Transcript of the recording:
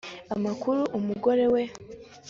Amakuru Umugore we